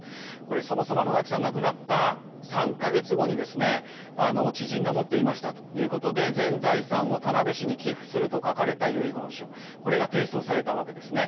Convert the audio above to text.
そもそも野崎さんが亡くなった３か月後に、知人が持っていましたということで「全財産を田辺市にキフする」と書かれた遺言書がこれが提出をされたわけです。